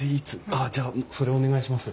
あっじゃあそれお願いします。